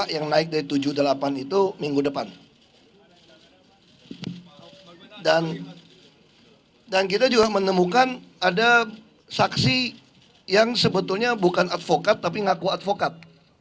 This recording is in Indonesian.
yang kita juga menemukan ada saksi yang sebetulnya bukan advokat tapi ngaku advokat